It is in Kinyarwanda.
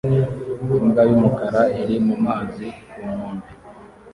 Imbwa y'umukara iri mu mazi ku nkombe